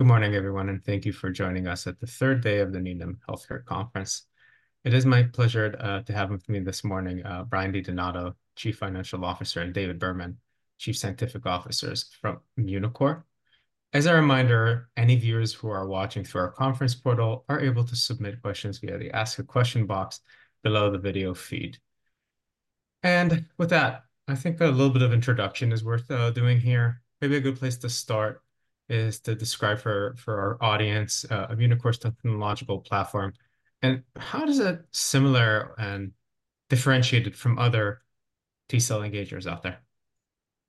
Good morning, everyone, and thank you for joining us at the third day of the Needham Healthcare Conference. It is my pleasure to have with me this morning, Brian Di Donato, Chief Financial Officer, and David Berman, Chief Scientific Officer from Immunocore. As a reminder, any viewers who are watching through our conference portal are able to submit questions via the Ask a Question box below the video feed. And with that, I think a little bit of introduction is worth doing here. Maybe a good place to start is to describe for, for our audience, Immunocore's technological platform, and how is it similar and differentiated from other T cell engagers out there?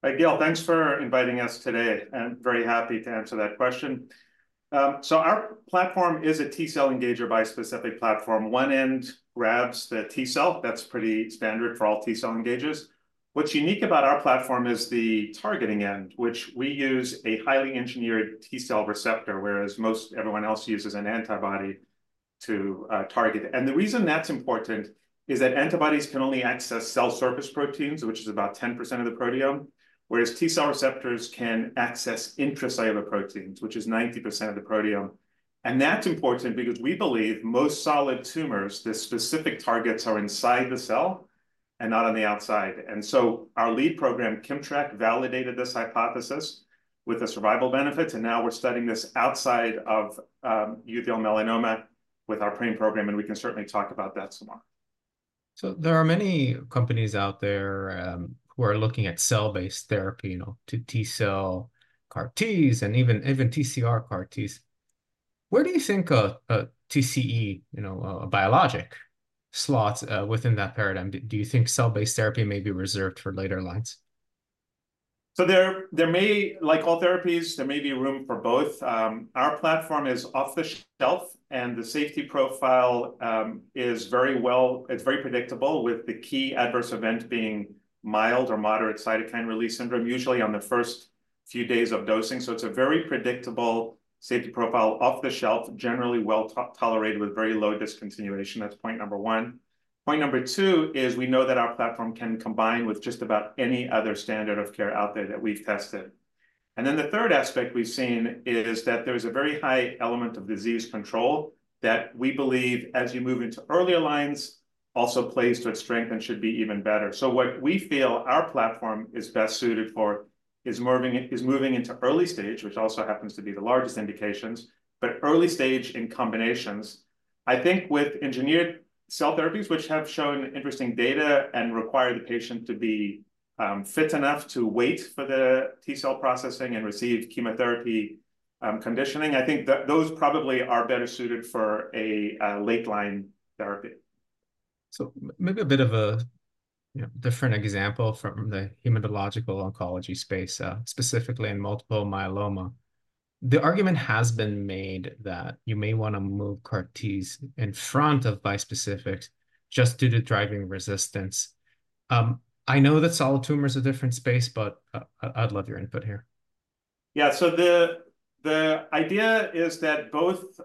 Hi, Gil. Thanks for inviting us today. I'm very happy to answer that question. So our platform is a T cell engager bispecific platform. One end grabs the T cell, that's pretty standard for all T cell engagers. What's unique about our platform is the targeting end, which we use a highly engineered T cell receptor, whereas most everyone else uses an antibody to target. And the reason that's important is that antibodies can only access cell surface proteins, which is about 10% of the proteome, whereas T cell receptors can access intracellular proteins, which is 90% of the proteome. And that's important because we believe most solid tumors, the specific targets are inside the cell and not on the outside. And so, our lead program, KIMMTRAK, validated this hypothesis with a survival benefit, and now we're studying this outside of uveal melanoma with our PRAME program, and we can certainly talk about that some more. So there are many companies out there, who are looking at cell-based therapy, you know, to T cell CAR Ts and even, even TCR CAR Ts. Where do you think a TCE, you know, a biologic, slots within that paradigm? Do you think cell-based therapy may be reserved for later lines? So, there may, like all therapies, there may be room for both. Our platform is off-the-shelf, and the safety profile is very well. It's very predictable, with the key adverse event being mild or moderate cytokine release syndrome, usually on the first few days of dosing. So it's a very predictable safety profile, off-the-shelf, generally well-tolerated, with very low discontinuation. That's point number one. Point number two is we know that our platform can combine with just about any other standard of care out there that we've tested. And then the third aspect we've seen is that there's a very high element of disease control that we believe, as you move into earlier lines, also plays to its strength and should be even better. So what we feel our platform is best suited for is moving into early stage, which also happens to be the largest indications, but early stage in combinations. I think with engineered cell therapies, which have shown interesting data and require the patient to be fit enough to wait for the T cell processing and receive chemotherapy conditioning, I think that those probably are better suited for a late line therapy. So maybe a bit of a, you know, different example from the hematological oncology space, specifically in multiple myeloma. The argument has been made that you may wanna move CAR Ts in front of bispecifics just due to driving resistance. I know that solid tumor is a different space, but I'd love your input here. Yeah. So the idea is that both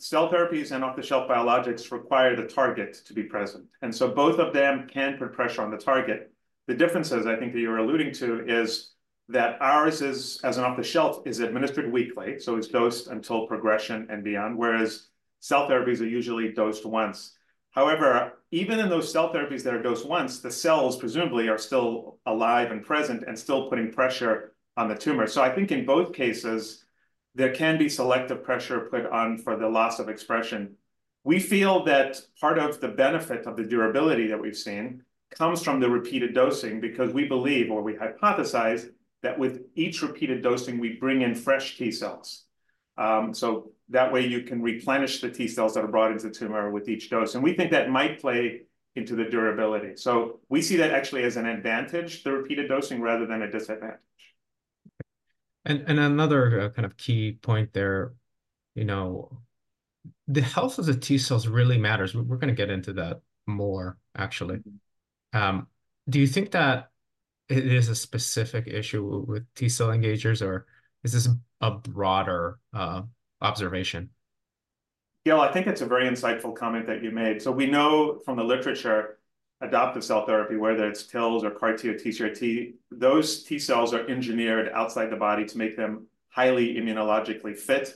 cell therapies and off-the-shelf biologics require the target to be present, and so both of them can put pressure on the target. The differences I think that you're alluding to is that ours is, as an off-the-shelf, is administered weekly, so it's dosed until progression and beyond, whereas cell therapies are usually dosed once. However, even in those cell therapies that are dosed once, the cells presumably are still alive and present and still putting pressure on the tumor. So I think in both cases, there can be selective pressure put on for the loss of expression. We feel that part of the benefit of the durability that we've seen comes from the repeated dosing because we believe, or we hypothesize, that with each repeated dosing, we bring in fresh T cells. So that way, you can replenish the T cells that are brought into the tumor with each dose, and we think that might play into the durability. So we see that actually as an advantage to repeated dosing, rather than a disadvantage. And another kind of key point there, you know, the health of the T cells really matters. We're gonna get into that more, actually. Do you think that it is a specific issue with T cell engagers, or is this a broader observation? Gil, I think it's a very insightful comment that you made. So we know from the literature, adoptive cell therapy, whether it's TILs or CAR T or TCR T, those T cells are engineered outside the body to make them highly immunologically fit,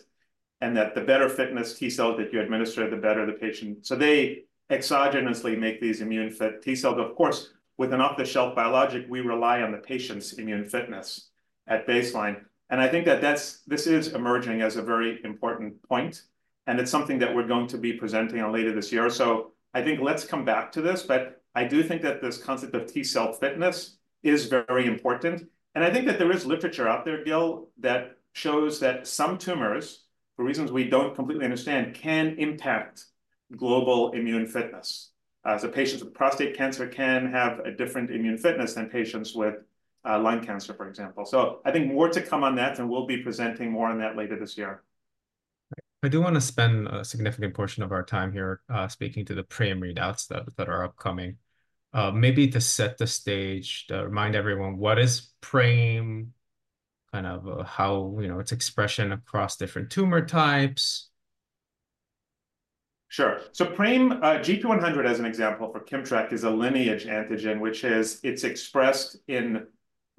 and that the better fitness T cell that you administer, the better the patient. So they exogenously make these immune-fit T cells. Of course, with an off-the-shelf biologic, we rely on the patient's immune fitness at baseline, and I think that this is emerging as a very important point, and it's something that we're going to be presenting on later this year. So I think let's come back to this, but I do think that this concept of T cell fitness is very important. I think that there is literature out there, Gil, that shows that some tumors, for reasons we don't completely understand, can impact global immune fitness. So patients with prostate cancer can have a different immune fitness than patients with lung cancer, for example. I think more to come on that, and we'll be presenting more on that later this year. I do wanna spend a significant portion of our time here, speaking to the PRAME readouts that are upcoming. Maybe to set the stage, to remind everyone, what is PRAME? Kind of how, you know, its expression across different tumor types? Sure. So PRAME, gp100 as an example for KIMMTRAK is a lineage antigen, which is, it's expressed in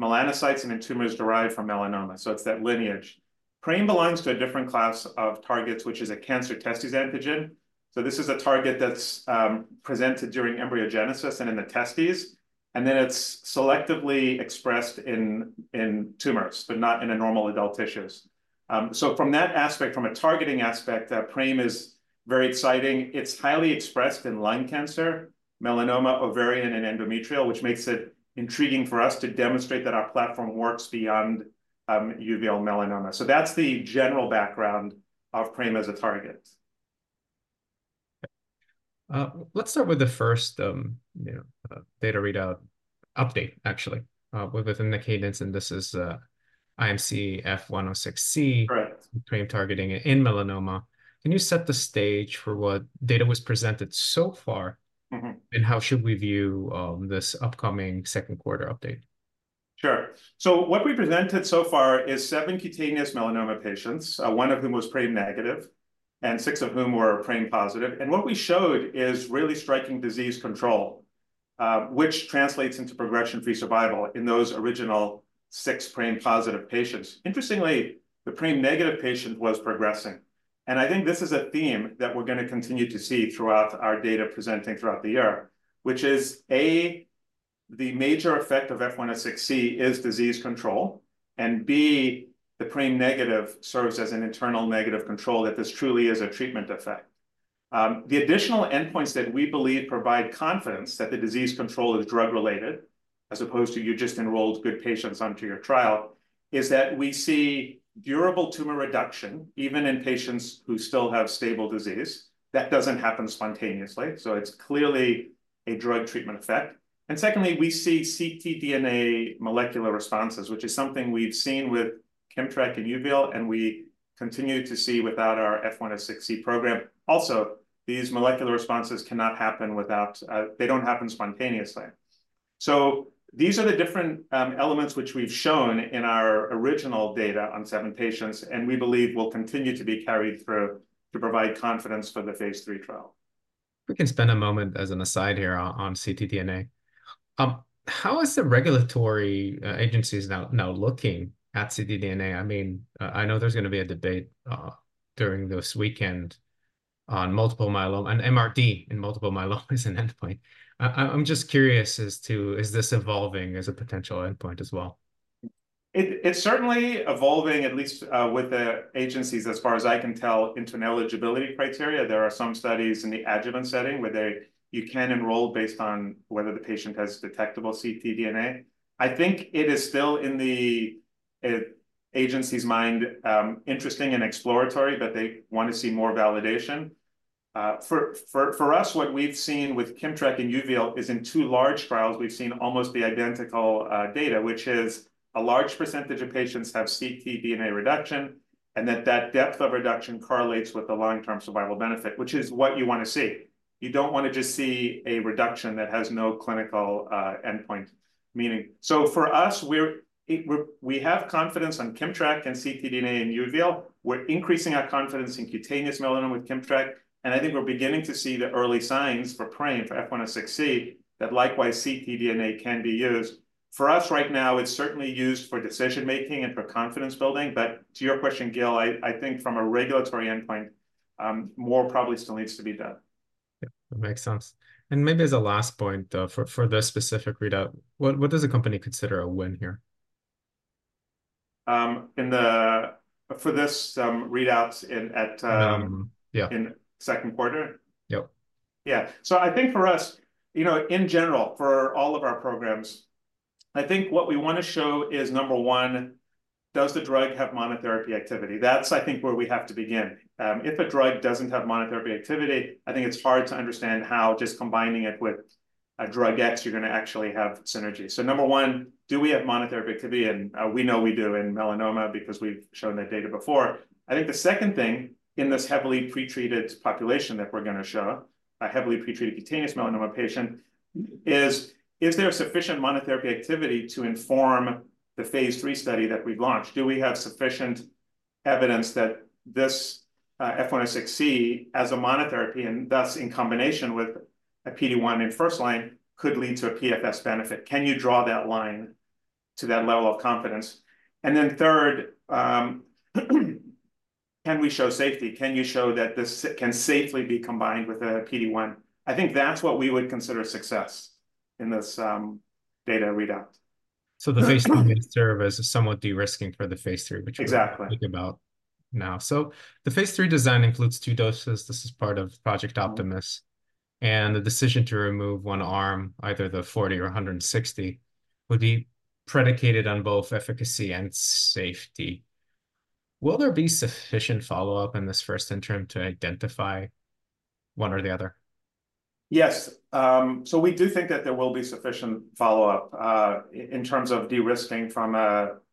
melanocytes and in tumors derived from melanoma. So it's that lineage. PRAME belongs to a different class of targets, which is a cancer testis antigen. So this is a target that's presented during embryogenesis and in the testes, and then it's selectively expressed in tumors, but not in a normal adult tissues. So from that aspect, from a targeting aspect, PRAME is very exciting. It's highly expressed in lung cancer, melanoma, ovarian, and endometrial, which makes it intriguing for us to demonstrate that our platform works beyond uveal melanoma. So that's the general background of PRAME as a target. Let's start with the first, you know, data readout, update actually, within the cadence, and this is, IMC-F106C. Correct. PRAME targeting in melanoma. Can you set the stage for what data was presented so far? How should we view this upcoming second quarter update? Sure. So what we presented so far is seven cutaneous melanoma patients, one of whom was PRAME-negative, and six of whom were PRAME-positive. And what we showed is really striking disease control, which translates into progression-free survival in those original six PRAME-positive patients. Interestingly, the PRAME-negative patient was progressing, and I think this is a theme that we're gonna continue to see throughout our data presenting throughout the year, which is, A, the major effect of F106C is disease control, and, B, the PRAME-negative serves as an internal negative control that this truly is a treatment effect. The additional endpoints that we believe provide confidence that the disease control is drug-related, as opposed to you just enrolled good patients onto your trial, is that we see durable tumor reduction even in patients who still have stable disease. That doesn't happen spontaneously, so it's clearly a drug treatment effect. And secondly, we see ctDNA molecular responses, which is something we've seen with KIMMTRAK and uveal, and we continue to see without our F106C program. Also, these molecular responses cannot happen without, they don't happen spontaneously. So these are the different elements which we've shown in our original data on seven patients, and we believe will continue to be carried through to provide confidence for the phase III trial. We can spend a moment as an aside here on ctDNA. How is the regulatory agencies now looking at ctDNA? I mean, I know there's gonna be a debate during this weekend on multiple myeloma-on MRD in multiple myeloma as an endpoint. I'm just curious as to, is this evolving as a potential endpoint as well? It's certainly evolving, at least, with the agencies, as far as I can tell, into an eligibility criteria. There are some studies in the adjuvant setting where you can enroll based on whether the patient has detectable ctDNA. I think it is still in the agency's mind interesting and exploratory, but they want to see more validation. For us, what we've seen with KIMMTRAK and uveal is in two large trials, we've seen almost the identical data, which is a large percentage of patients have ctDNA reduction, and that depth of reduction correlates with the long-term survival benefit, which is what you want to see. You don't want to just see a reduction that has no clinical endpoint meaning. So for us, we have confidence on KIMMTRAK and ctDNA in uveal. We're increasing our confidence in cutaneous melanoma with KIMMTRAK, and I think we're beginning to see the early signs for PRAME, for F106C, that likewise, ctDNA can be used. For us right now, it's certainly used for decision-making and for confidence building. But to your question, Gil, I, I think from a regulatory endpoint, more probably still needs to be done. Yeah, that makes sense. Maybe as a last point, though, for this specific readout, what does the company consider a win here? For this, readouts in. Yeah. In second quarter? Yep. Yeah. So I think for us, you know, in general, for all of our programs, I think what we wanna show is, number one, does the drug have monotherapy activity? That's, I think, where we have to begin. If a drug doesn't have monotherapy activity, I think it's hard to understand how just combining it with a drug X, you're gonna actually have synergy. So number one, do we have monotherapy activity? And, we know we do in melanoma because we've shown that data before. I think the second thing in this heavily pretreated population that we're gonna show, a heavily pretreated cutaneous melanoma patient, is: Is there sufficient monotherapy activity to inform the phase III study that we've launched? Do we have sufficient evidence that this, IMC-F106C as a monotherapy, and thus in combination with a PD-1 in first line, could lead to a PFS benefit? Can you draw that line to that level of confidence? And then third, can we show safety? Can you show that this can safely be combined with a PD-1? I think that's what we would consider success in this, data readout. So phase III would serve as somewhat de-risking for the phase III, which. Exactly. I think about now. So the phase III design includes two doses. This is part of Project Optimus, and the decision to remove one arm, either the 40 or 160, would be predicated on both efficacy and safety. Will there be sufficient follow-up in this first interim to identify one or the other? Yes, so we do think that there will be sufficient follow-up, in terms of de-risking from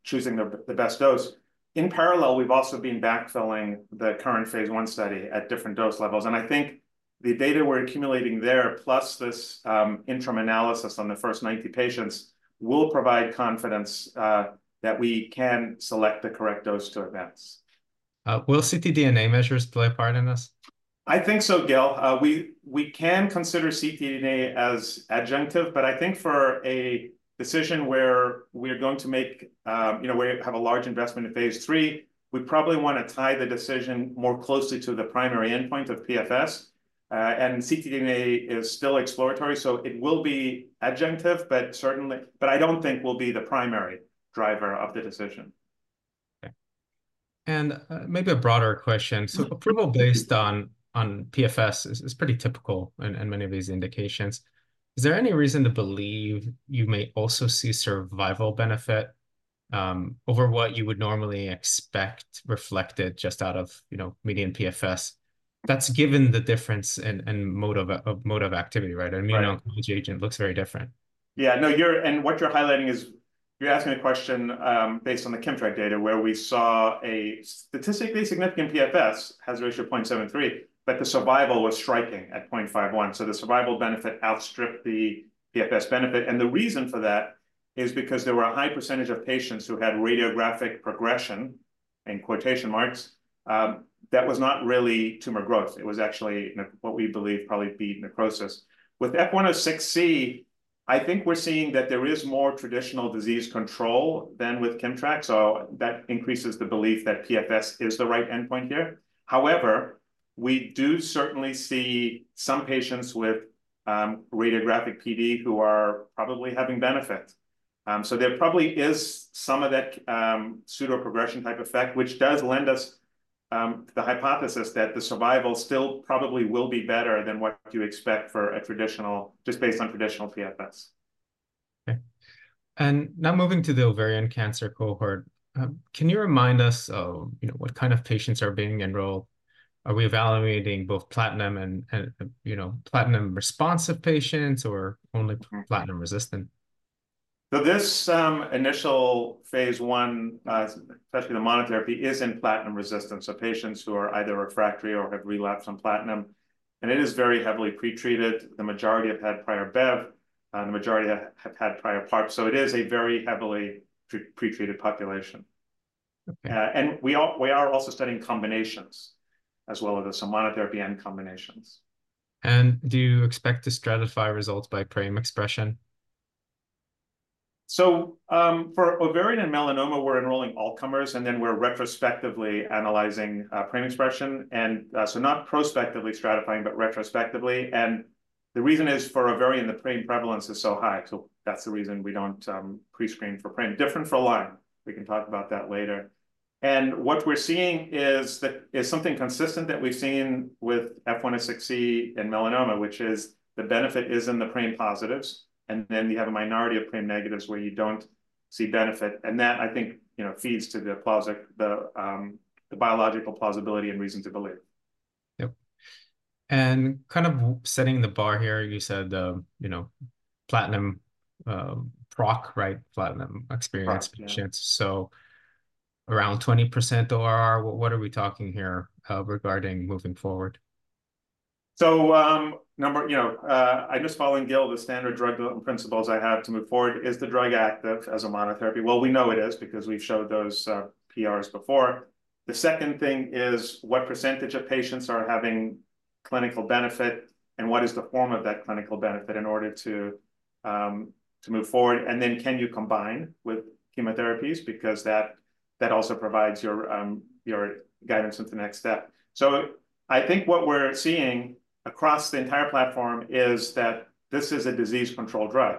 choosing the best dose. In parallel, we've also been backfilling the current phase I study at different dose levels, and I think the data we're accumulating there, plus this interim analysis on the first 90 patients, will provide confidence that we can select the correct dose to advance. Will ctDNA measures play a part in this? I think so, Gil. We can consider ctDNA as adjunctive, but I think for a decision where we're going to make, you know, where we have a large investment in phase III, we probably wanna tie the decision more closely to the primary endpoint of PFS. And ctDNA is still exploratory, so it will be adjunctive, but certainly, but I don't think will be the primary driver of the decision. Okay. Maybe a broader question. So approval based on PFS is pretty typical in many of these indications. Is there any reason to believe you may also see survival benefit over what you would normally expect reflected just out of, you know, median PFS? That's given the difference in mode of activity, right? Right. I mean, oncology agent looks very different. Yeah. No, what you're highlighting is, you're asking a question, based on the KIMMTRAK data, where we saw a statistically significant PFS, hazard ratio of 0.73, but the survival was striking at 0.51. So the survival benefit outstripped the PFS benefit. And the reason for that is because there were a high percentage of patients who had radiographic progression, in quotation marks, that was not really tumor growth. It was actually what we believe is probably necrosis. With IMC-F106C, I think we're seeing that there is more traditional disease control than with KIMMTRAK, so that increases the belief that PFS is the right endpoint here. However, we do certainly see some patients with, radiographic PD who are probably having benefit. So there probably is some of that, pseudo-progression type effect, which does lend us the hypothesis that the survival still probably will be better than what you expect for a traditional, just based on traditional PFS. Okay. Now moving to the ovarian cancer cohort, can you remind us of, you know, what kind of patients are being enrolled? Are we evaluating both platinum and, you know, platinum-responsive patients or on platinum-resistant? So this initial phase I, especially the monotherapy, is in platinum resistance, so patients who are either refractory or have relapsed on platinum, and it is very heavily pretreated. The majority have had prior Bev, and the majority have had prior PARP. So it is a very heavily pretreated population. Okay. And we are also studying combinations as well as some monotherapy and combinations. Do you expect to stratify results by PRAME expression? So, for ovarian and melanoma, we're enrolling all comers, and then we're retrospectively analyzing PRAME expression. And so not prospectively stratifying, but retrospectively. And the reason is for ovarian, the PRAME prevalence is so high, so that's the reason we don't pre-screen for PRAME. Different for lung. We can talk about that later. And what we're seeing is that it's something consistent that we've seen with F-106C in melanoma, which is the benefit is in the PRAME positives, and then you have a minority of PRAME negatives where you don't see benefit. And that, I think, you know, feeds to the biological plausibility and reason to believe. Yep. And kind of setting the bar here, you said, you know, platinum, proc, right? Platinum experience- PARP, yeah. patients. So around 20% ORR, what are we talking here, regarding moving forward? So, You know, I just following, Gil, the standard drug principles I have to move forward. Is the drug active as a monotherapy? Well, we know it is because we've showed those PRs before. The second thing is, what percentage of patients are having clinical benefit, and what is the form of that clinical benefit in order to to move forward? And then, can you combine with chemotherapies? Because that, that also provides your your guidance with the next step. So I think what we're seeing across the entire platform is that this is a disease control drug.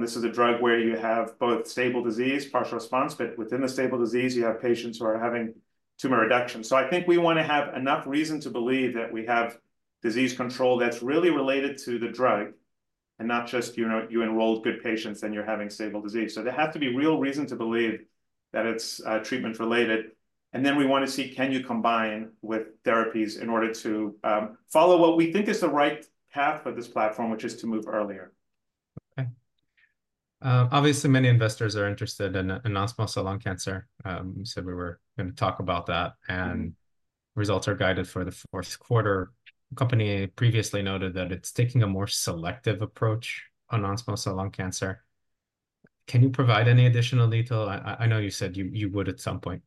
This is a drug where you have both stable disease, partial response, but within the stable disease, you have patients who are having tumor reduction. I think we wanna have enough reason to believe that we have disease control that's really related to the drug and not just, you know, you enrolled good patients, and you're having stable disease. There has to be real reason to believe that it's treatment-related. Then we wanna see, can you combine with therapies in order to follow what we think is the right path for this platform, which is to move earlier? Okay. Obviously, many investors are interested in non-small cell lung cancer. You said we were gonna talk about that. Results are guided for the fourth quarter. Company previously noted that it's taking a more selective approach on non-small cell lung cancer. Can you provide any additional detail? I know you said you would at some point.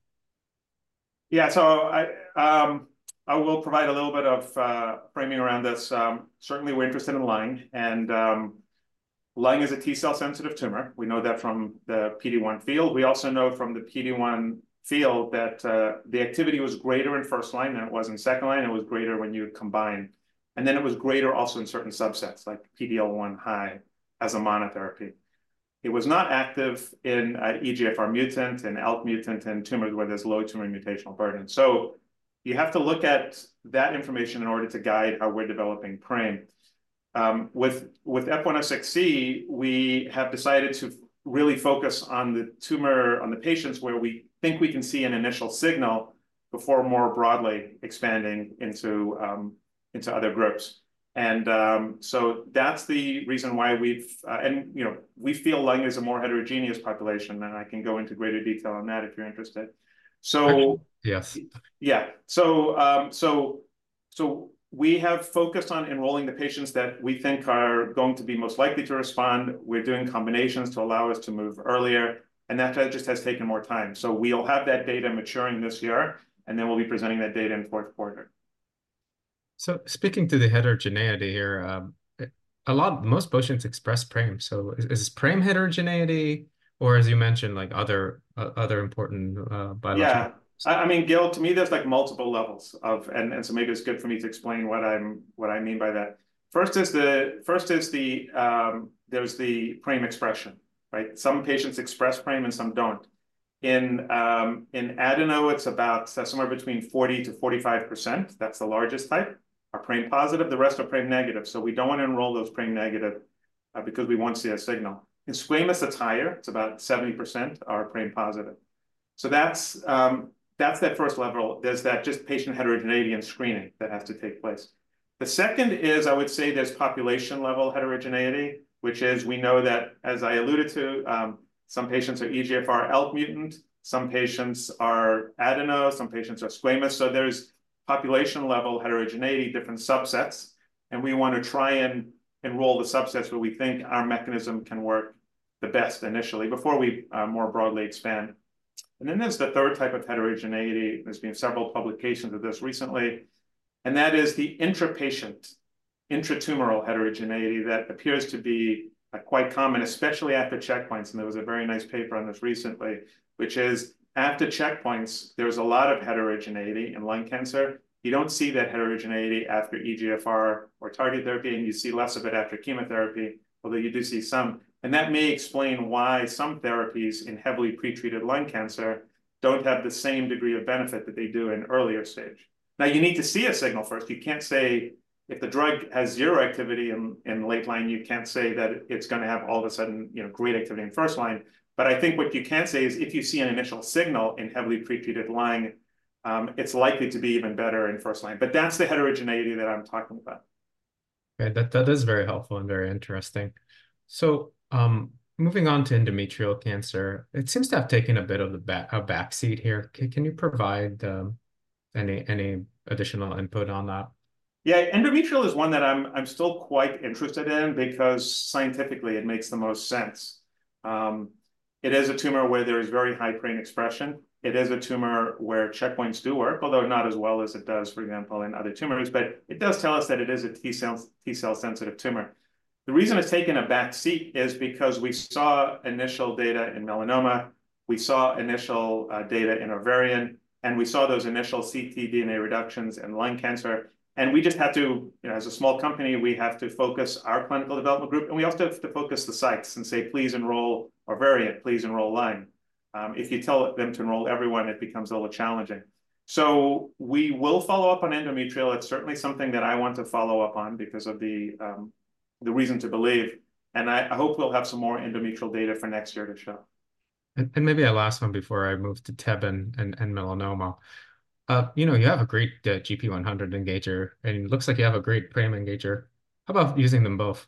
Yeah. So I will provide a little bit of framing around this. Certainly, we're interested in lung, and lung is a T-cell sensitive tumor. We know that from the PD-1 field. We also know from the PD-1 field that the activity was greater in first line than it was in second line, it was greater when you combine. And then it was greater also in certain subsets, like PD-L1 high, as a monotherapy. It was not active in EGFR mutant and ALK mutant and tumors where there's low tumor mutational burden. So you have to look at that information in order to guide how we're developing PRAME. With IMC-F106C, we have decided to really focus on the tumor, on the patients, where we think we can see an initial signal before more broadly expanding into other groups. That's the reason why we've, you know, we feel lung is a more heterogeneous population, and I can go into greater detail on that if you're interested. Yes. Yeah. So we have focused on enrolling the patients that we think are going to be most likely to respond. We're doing combinations to allow us to move earlier, and that just has taken more time. So we'll have that data maturing this year, and then we'll be presenting that data in fourth quarter. So speaking to the heterogeneity here, a lot, most patients express PRAME. So is this PRAME heterogeneity, or as you mentioned, like other important biological. Yeah. I mean, Gil, to me, there's like multiple levels of, and so maybe it's good for me to explain what I mean by that. First is the, first is the, there's the PRAME expression, right? Some patients express PRAME, and some don't. In adeno, it's about somewhere between 40%-45%, that's the largest type, are PRAME positive, the rest are PRAME negative. So we don't want to enroll those PRAME negative, because we won't see a signal. In squamous, it's higher. It's about 70% are PRAME positive. So that's that first level. There's that just patient heterogeneity and screening that has to take place. The second is, I would say, there's population-level heterogeneity, which is we know that, as I alluded to, some patients are EGFR, ALK mutant, some patients are Adeno, some patients are squamous. So there's population-level heterogeneity, different subsets, and we want to try and enroll the subsets where we think our mechanism can work the best initially before we, more broadly expand. And then there's the third type of heterogeneity. There's been several publications of this recently, and that is the intra-patient, intra-tumoral heterogeneity that appears to be quite common, especially after checkpoints. And there was a very nice paper on this recently, which is after checkpoints, there was a lot of heterogeneity in lung cancer. You don't see that heterogeneity after EGFR or targeted therapy, and you see less of it after chemotherapy, although you do see some. That may explain why some therapies in heavily pretreated lung cancer don't have the same degree of benefit that they do in earlier stage. Now, you need to see a signal first. You can't say, if the drug has zero activity in late line, you can't say that it's gonna have all of a sudden, you know, great activity in first line. But I think what you can say is if you see an initial signal in heavily pretreated lung, it's likely to be even better in first line. But that's the heterogeneity that I'm talking about. Okay, that is very helpful and very interesting. So, moving on to endometrial cancer, it seems to have taken a bit of a backseat here. Can you provide any additional input on that? Yeah. Endometrial is one that I'm, I'm still quite interested in because scientifically it makes the most sense. It is a tumor where there is very high PRAME expression. It is a tumor where checkpoints do work, although not as well as it does, for example, in other tumors, but it does tell us that it is a T cell, T cell-sensitive tumor. The reason it's taken a backseat is because we saw initial data in melanoma, we saw initial data in ovarian, and we saw those initial ctDNA reductions in lung cancer, and we just had to, you know, as a small company, we have to focus our clinical development group, and we also have to focus the sites and say, "Please enroll ovarian, please enroll lung." If you tell them to enroll everyone, it becomes a little challenging. So we will follow up on endometrial. It's certainly something that I want to follow up on because of the reason to believe, and I hope we'll have some more endometrial data for next year to show. And maybe a last one before I move to tebentafusp and melanoma. You know, you have a great gp100 engager, and it looks like you have a great PRAME engager. How about using them both?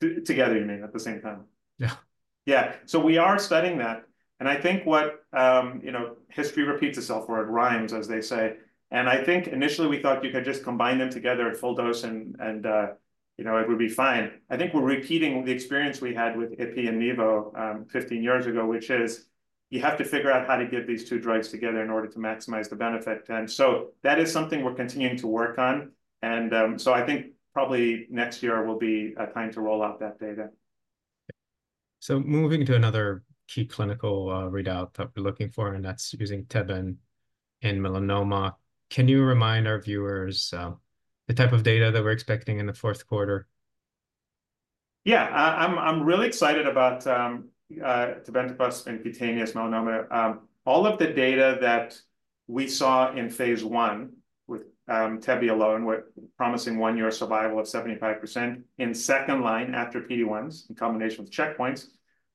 Together, you mean, at the same time? Yeah. Yeah. So we are studying that, and I think, you know, history repeats itself, or it rhymes, as they say. And I think initially we thought you could just combine them together at full dose and, you know, it would be fine. I think we're repeating the experience we had with Ipi and Nivo, 15 years ago, which is, you have to figure out how to give these two drugs together in order to maximize the benefit. And so that is something we're continuing to work on. And so I think probably next year will be a time to roll out that data. So moving to another key clinical readout that we're looking for, and that's using tebentafusp in melanoma. Can you remind our viewers, the type of data that we're expecting in the fourth quarter? Yeah. I'm really excited about tebentafusp in cutaneous melanoma. All of the data that we saw in phase 1 with tebi alone were promising one-year survival of 75%. In second line, after PD-1s, in combination with checkpoints,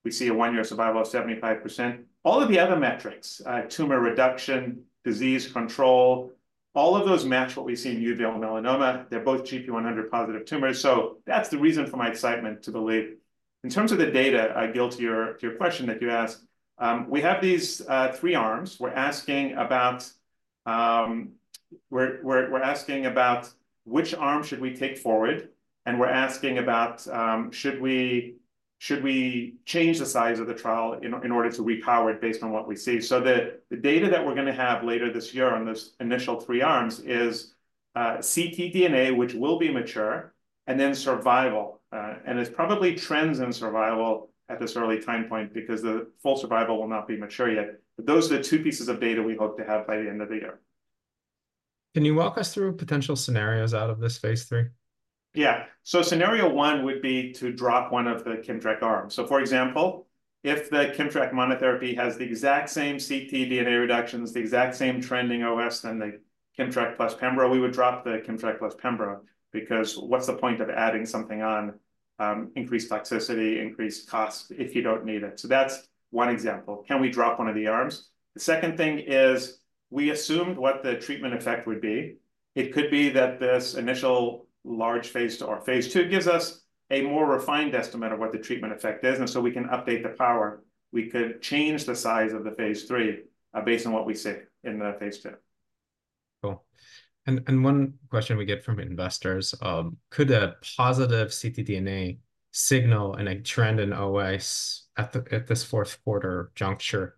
we see a one-year survival of 75%. All of the other metrics, tumor reduction, disease control, all of those match what we see in uveal melanoma. They're both gp100-positive tumors, so that's the reason for my excitement to believe. In terms of the data, Gil, to your question that you asked, we have these three arms. We're asking about which arm should we take forward, and we're asking about should we change the size of the trial in order to repower it based on what we see? So the data that we're gonna have later this year on this initial three arms is ctDNA, which will be mature, and then survival. And it's probably trends in survival at this early time point because the full survival will not be mature yet. But those are the two pieces of data we hope to have by the end of the year. Can you walk us through potential scenarios out of this phase III? Yeah. So scenario one would be to drop one of the KIMMTRAK arms. So for example, if the KIMMTRAK monotherapy has the exact same ctDNA reductions, the exact same trending OS than the KIMMTRAK plus pembro, we would drop the KIMMTRAK plus pembro, because what's the point of adding something on, increased toxicity, increased cost, if you don't need it? So that's one example. Can we drop one of the arms? The second thing is, we assumed what the treatment effect would be. It could be that this initial large phase, or phase II gives us a more refined estimate of what the treatment effect is, and so we can update the power. We could change the size of the phase III, based on what we see in the phase II. Cool. And one question we get from investors, could a positive ctDNA signal and a trend in OS at this fourth quarter juncture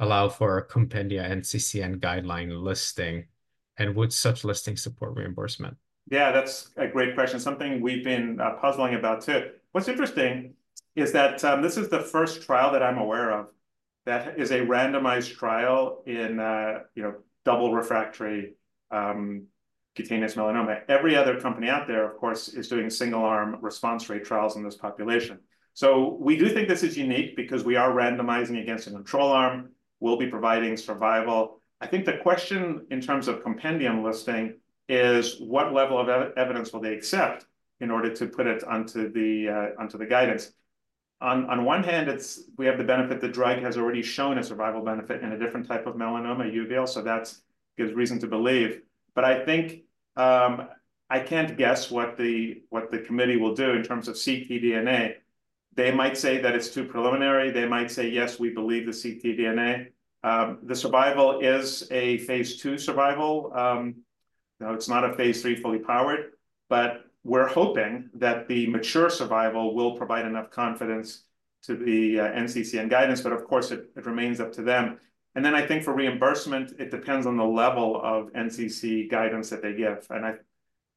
allow for a compendium NCCN guideline listing? And would such listing support reimbursement? Yeah, that's a great question, something we've been puzzling about, too. What's interesting is that this is the first trial that I'm aware of that is a randomized trial in you know double refractory cutaneous melanoma. Every other company out there, of course, is doing single-arm response rate trials in this population. So we do think this is unique because we are randomizing against a control arm. We'll be providing survival. I think the question in terms of compendium listing is: what level of evidence will they accept in order to put it onto the guidance? On one hand, it's we have the benefit the drug has already shown a survival benefit in a different type of melanoma, uveal, so that gives reason to believe. But I think, I can't guess what the committee will do in terms of ctDNA. They might say that it's too preliminary. They might say, "Yes, we believe the ctDNA." The survival is a phase II survival. You know, it's not a phase III fully powered, but we're hoping that the mature survival will provide enough confidence to the NCCN guidance. But, of course, it remains up to them. And then I think for reimbursement, it depends on the level of NCCN guidance that they give, and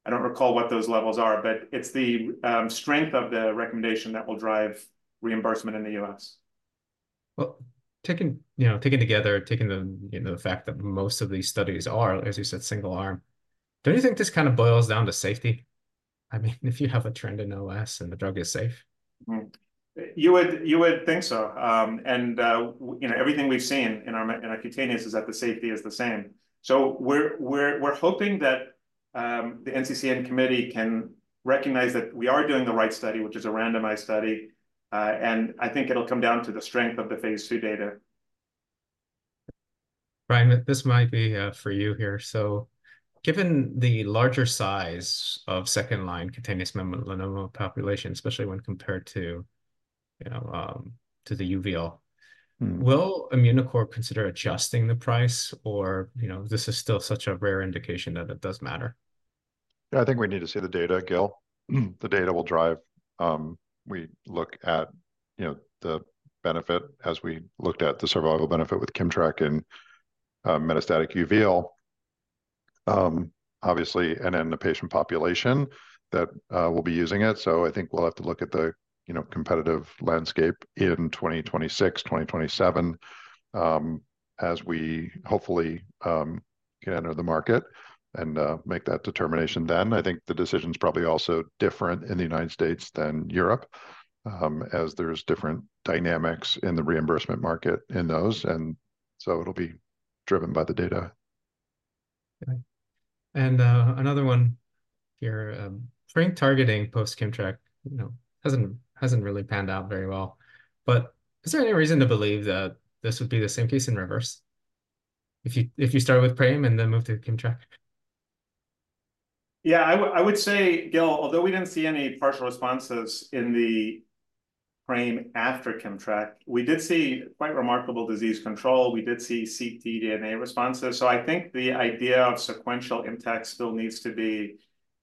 I don't recall what those levels are, but it's the strength of the recommendation that will drive reimbursement in the U.S. Well, taking together, you know, the fact that most of these studies are, as you said, single-arm, don't you think this kind of boils down to safety? I mean, if you have a trend in OS and the drug is safe. You would, you would think so. And, you know, everything we've seen in our, in our cutaneous is that the safety is the same. So we're, we're, we're hoping that the NCCN committee can recognize that we are doing the right study, which is a randomized study. And I think it'll come down to the strength of the phase II data. Brian, this might be for you here. So given the larger size of second-line cutaneous melanoma population, especially when compared to, you know, to the uveal, will Immunocore consider adjusting the price? Or, you know, this is still such a rare indication that it does matter. Yeah, I think we need to see the data, Gil. The data will drive. We look at, you know, the benefit as we looked at the survival benefit with KIMMTRAK and metastatic uveal. Obviously, and then the patient population that will be using it. So I think we'll have to look at the, you know, competitive landscape in 2026, 2027, as we hopefully can enter the market and make that determination then. I think the decision's probably also different in the United States than Europe, as there's different dynamics in the reimbursement market in those, and so it'll be driven by the data. Okay. And another one here. PRAME targeting post KIMMTRAK, you know, hasn't really panned out very well. But is there any reason to believe that this would be the same case in reverse, if you start with PRAME and then move to KIMMTRAK? Yeah, I would say, Gil, although we didn't see any partial responses in the PRAME after KIMMTRAK, we did see quite remarkable disease control. We did see ctDNA responses, so I think the idea of sequential ImmTACs still needs to be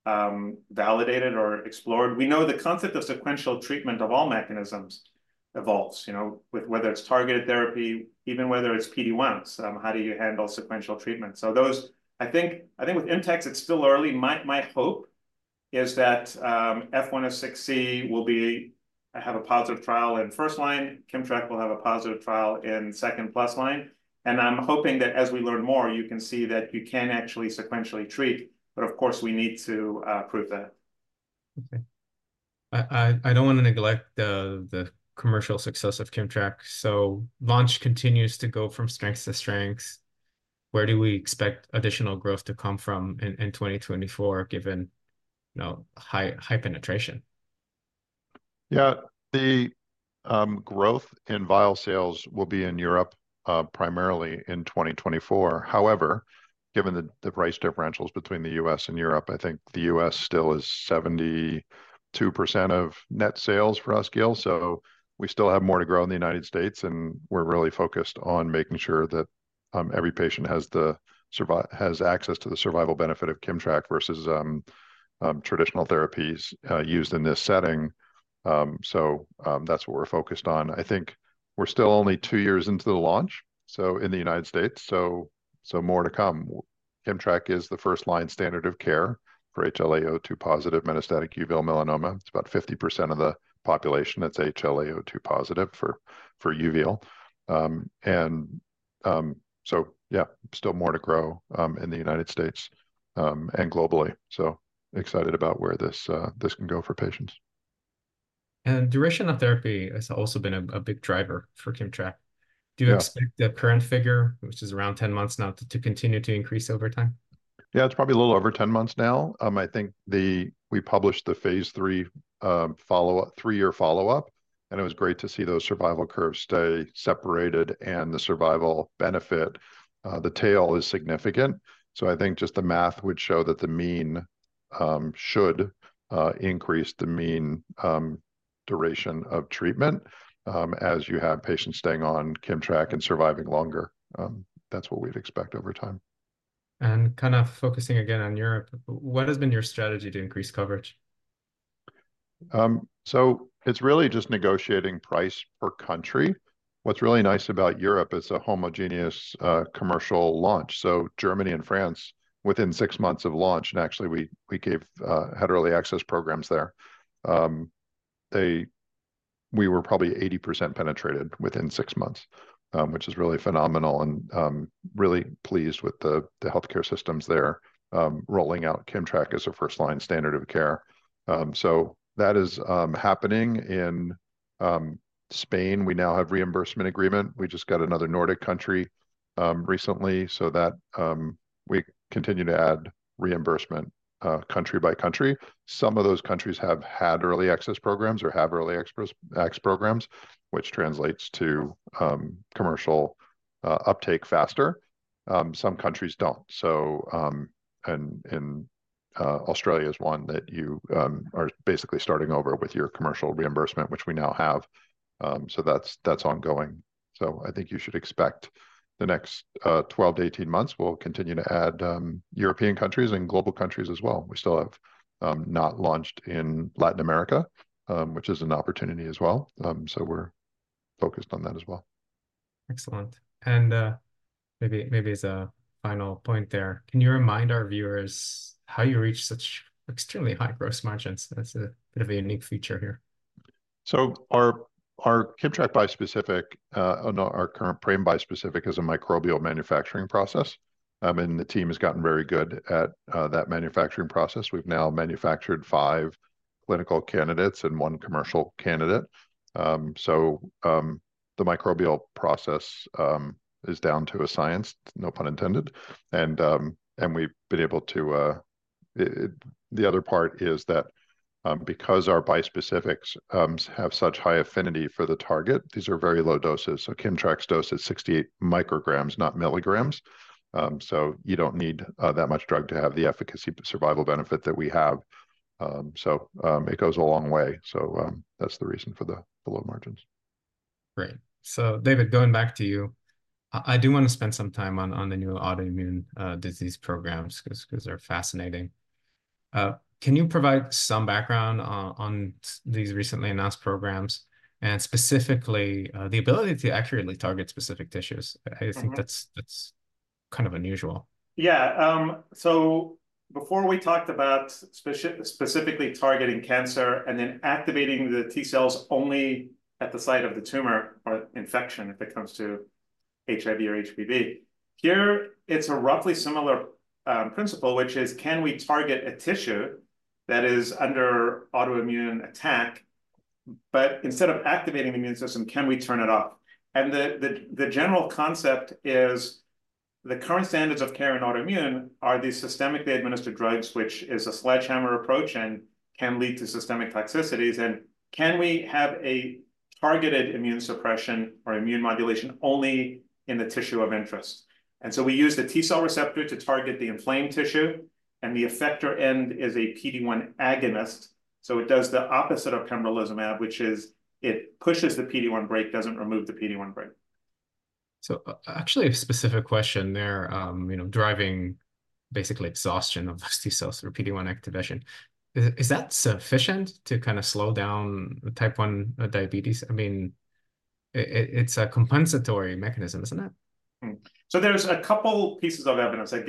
validated or explored. We know the concept of sequential treatment of all mechanisms evolves, you know, with whether it's targeted therapy, even whether it's PD-1s. How do you handle sequential treatment? So those. I think with ImmTACs, it's still early. My hope is that F106C will have a positive trial in first line, KIMMTRAK will have a positive trial in second plus line, and I'm hoping that as we learn more, you can see that you can actually sequentially treat. But, of course, we need to prove that. Okay. I don't want to neglect the commercial success of KIMMTRAK. So launch continues to go from strengths to strengths. Where do we expect additional growth to come from in 2024, given, you know, high penetration? Yeah. The growth in vial sales will be in Europe, primarily in 2024. However, given the price differentials between the U.S. and Europe, I think the U.S. still is 72% of net sales for us, Gil. So we still have more to grow in the United States, and we're really focused on making sure that every patient has access to the survival benefit of KIMMTRAK versus traditional therapies used in this setting. So that's what we're focused on. I think we're still only two years into the launch, so in the United States, so more to come. KIMMTRAK is the first-line standard of care for HLA-A*02:01-positive metastatic uveal melanoma. It's about 50% of the population that's HLA-A*02:01 positive for uveal. So yeah, still more to grow in the United States and globally. So excited about where this can go for patients. Duration of therapy has also been a big driver for KIMMTRAK. Yeah. Do you expect the current figure, which is around 10 months now, to continue to increase over time? Yeah, it's probably a little over 10 months now. I think we published the phase III follow-up, three-year follow-up, and it was great to see those survival curves stay separated and the survival benefit. The tail is significant, so I think just the math would show that the mean should increase the mean duration of treatment as you have patients staying on KIMMTRAK and surviving longer. That's what we'd expect over time. Kind of focusing again on Europe, what has been your strategy to increase coverage? So it's really just negotiating price per country. What's really nice about Europe, it's a homogeneous commercial launch. So Germany and France, within six months of launch, and actually, we had early access programs there. We were probably 80% penetrated within six months, which is really phenomenal and really pleased with the healthcare systems there, rolling out KIMMTRAK as a first-line standard of care. So that is happening in Spain. We now have reimbursement agreement. We just got another Nordic country recently, so that we continue to add reimbursement country by country. Some of those countries have had early access programs or have early access programs, which translates to commercial uptake faster. Some countries don't. So, Australia is one that you are basically starting over with your commercial reimbursement, which we now have. So that's ongoing. So I think you should expect the next 12-18 months, we'll continue to add European countries and global countries as well. We still have not launched in Latin America, which is an opportunity as well. So we're focused on that as well. Excellent. And, maybe, maybe as a final point there, can you remind our viewers how you reach such extremely high gross margins? That's a bit of a unique feature here. So our KIMMTRAK bispecific, no, our current PRAME bispecific is a microbial manufacturing process. And the team has gotten very good at that manufacturing process. We've now manufactured five clinical candidates and one commercial candidate. So the microbial process is down to a science, no pun intended, and we've been able to. The other part is that because our bispecifics have such high affinity for the target, these are very low doses. So KIMMTRAK's dose is 68 mcg, not mg. So you don't need that much drug to have the efficacy survival benefit that we have. So it goes a long way. So that's the reason for the low margins. Great. So, David, going back to you, I do want to spend some time on the new autoimmune disease programs 'cause they're fascinating. Can you provide some background on these recently announced programs, and specifically, the ability to accurately target specific tissues. I think that's kind of unusual. Yeah, so before we talked about specifically targeting cancer and then activating the T cells only at the site of the tumor or infection, if it comes to HIV or HBV. Here, it's a roughly similar principle, which is, can we target a tissue that is under autoimmune attack, but instead of activating the immune system, can we turn it off? And the general concept is the current standards of care in autoimmune are these systemically administered drugs, which is a sledgehammer approach and can lead to systemic toxicities. And can we have a targeted immune suppression or immune modulation only in the tissue of interest? And so we use the T cell receptor to target the inflamed tissue, and the effector end is a PD-1 agonist. So it does the opposite of pembrolizumab, which is it pushes the PD-1 brake, doesn't remove the PD-1 brake. So actually, a specific question there, you know, driving basically exhaustion of T cells or PD-1 activation. Is that sufficient to kind of slow down type 1 diabetes? I mean, it, it's a compensatory mechanism, isn't it? Hmm. So there's a couple pieces of evidence, I,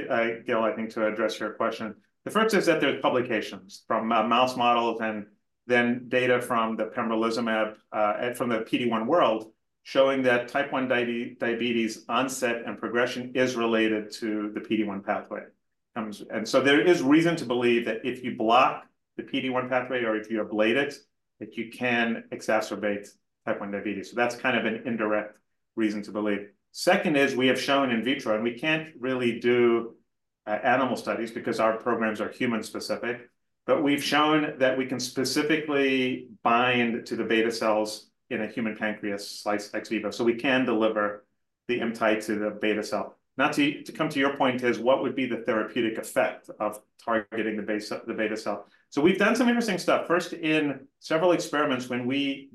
Gil, I think, to address your question. The first is that there's publications from mouse models, and then data from the pembrolizumab and from the PD-1 world, showing that type one diabetes onset and progression is related to the PD-1 pathway. And so there is reason to believe that if you block the PD-1 pathway or if you ablate it, that you can exacerbate type one diabetes. So that's kind of an indirect reason to believe. Second is, we have shown in vitro, and we can't really do animal studies because our programs are human specific, but we've shown that we can specifically bind to the beta cells in a human pancreas slice ex vivo. So we can deliver the ImmTAAI to the beta cell. Now, to come to your point is, what would be the therapeutic effect of targeting the beta cell, the beta cell? So we've done some interesting stuff. First, in several experiments, when we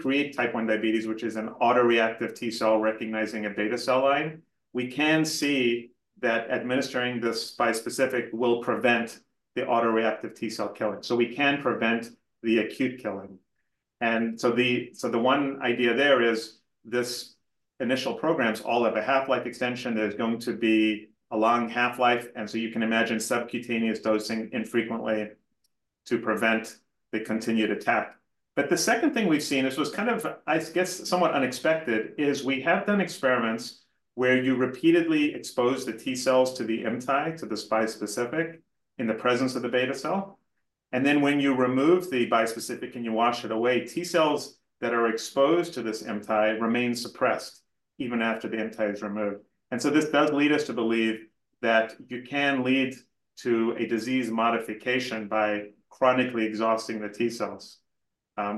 create type 1 diabetes, which is an autoreactive T cell recognizing a beta cell line, we can see that administering this bispecific will prevent the autoreactive T cell killing. So we can prevent the acute killing. And so the one idea there is this initial programs all have a half-life extension. There's going to be a long half-life, and so you can imagine subcutaneous dosing infrequently to prevent the continued attack. But the second thing we've seen, this was kind of, I guess, somewhat unexpected, is we have done experiments where you repeatedly expose the T cells to the ImmTAAI, to the bispecific, in the presence of the beta cell, and then when you remove the bispecific and you wash it away, T cells that are exposed to this ImmTAAI remain suppressed even after the ImmTAAI is removed. And so this does lead us to believe that you can lead to a disease modification by chronically exhausting the T cells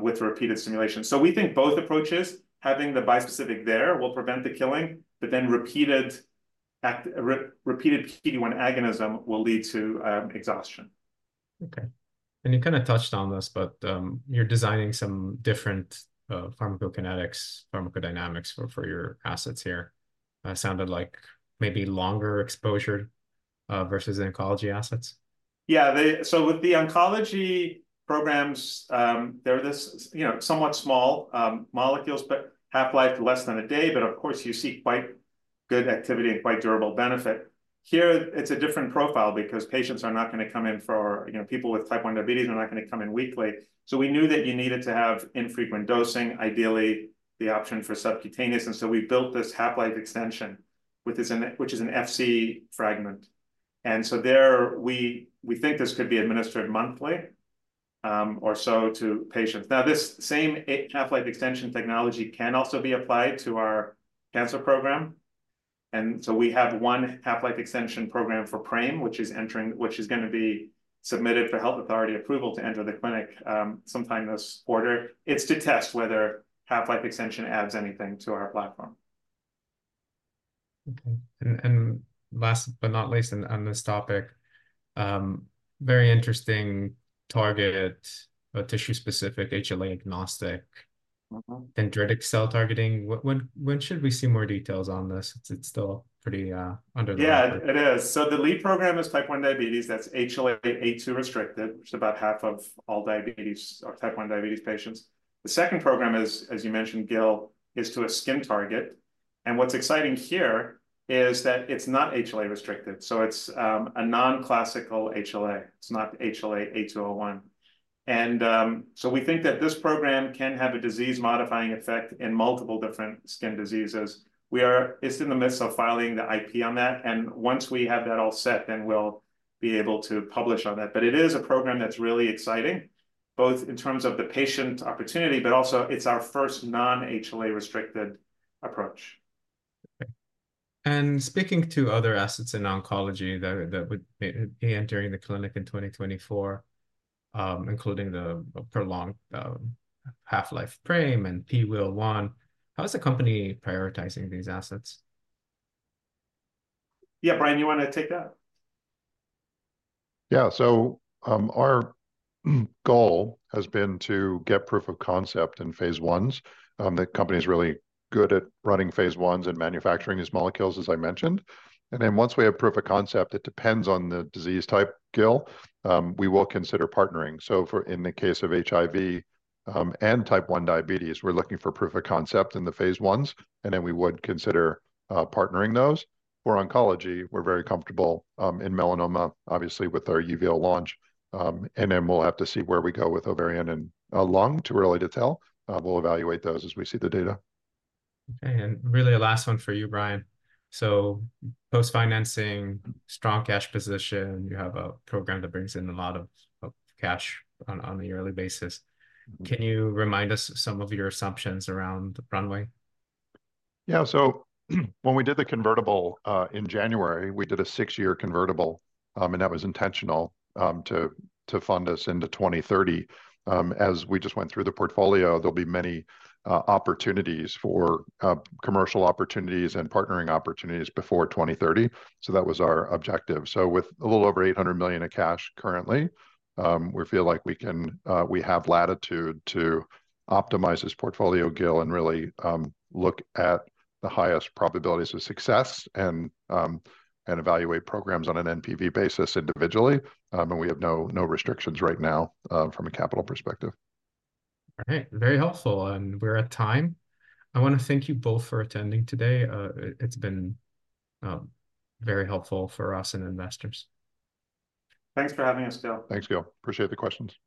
with repeated stimulation. So we think both approaches, having the bispecific there will prevent the killing, but then repeated PD-1 agonism will lead to exhaustion. Okay. And you kind of touched on this, but you're designing some different pharmacokinetics, pharmacodynamics for your assets here. Sounded like maybe longer exposure versus oncology assets? Yeah, So with the oncology programs, they're this, you know, somewhat small molecules, but half-life less than a day, but of course you see quite good activity and quite durable benefit. Here, it's a different profile because patients are not gonna come in for, you know, people with type 1 diabetes are not gonna come in weekly. So we knew that you needed to have infrequent dosing, ideally the option for subcutaneous, and so we built this half-life extension, which is an Fc fragment. And so we think this could be administered monthly or so to patients. Now, this same half-life extension technology can also be applied to our cancer program, and so we have one half-life extension program for PRAME, which is gonna be submitted for health authority approval to enter the clinic, sometime this quarter. It's to test whether half-life extension adds anything to our platform. Okay. And last but not least on this topic, very interesting target, a tissue-specific HLA-agnostic- dendritic cell targeting. When, when should we see more details on this? It's, it's still pretty under. Yeah, it is. So the lead program is type 1 diabetes, that's HLA-A2 restricted, which is about half of all diabetes or type 1 diabetes patients. The second program is, as you mentioned, Gil, is to a skin target, and what's exciting here is that it's not HLA restricted, so it's a non-classical HLA. It's not HLA-A*02:01. And so we think that this program can have a disease-modifying effect in multiple different skin diseases. We are just in the midst of filing the IP on that, and once we have that all set, then we'll be able to publish on that. But it is a program that's really exciting, both in terms of the patient opportunity, but also it's our first non-HLA restricted approach. Okay. Speaking to other assets in oncology that would be entering the clinic in 2024, including the prolonged half-life PRAME and PD-L1, how is the company prioritizing these assets? Yeah, Brian, you wanna take that? Yeah. So, our goal has been to get proof of concept in phase I's. The company is really good at running phase I's and manufacturing these molecules, as I mentioned. And then once we have proof of concept, it depends on the disease type, Gil, we will consider partnering. So in the case of HIV, and type 1 diabetes, we're looking for proof of concept in the phase I's, and then we would consider partnering those. For oncology, we're very comfortable in melanoma, obviously, with our uveal launch, and then we'll have to see where we go with ovarian and lung. Too early to tell. We'll evaluate those as we see the data. Okay, really a last one for you, Brian. Post-financing, strong cash position, you have a program that brings in a lot of cash on a yearly basis. Can you remind us some of your assumptions around the runway? Yeah, so when we did the convertible in January, we did a six-year convertible, and that was intentional, to fund us into 2030. As we just went through the portfolio, there'll be many opportunities for commercial opportunities and partnering opportunities before 2030, so that was our objective. So with a little over $800 million in cash currently, we feel like we can, we have latitude to optimize this portfolio, Gil, and really look at the highest probabilities of success and evaluate programs on an NPV basis individually. And we have no restrictions right now from a capital perspective. All right. Very helpful, and we're at time. I wanna thank you both for attending today. It's been very helpful for us and investors. Thanks for having us, Gil. Thanks, Gil. Appreciate the questions.